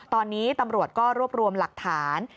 ตอนนี้ตำรวจก็รวบรวมหลักฐาน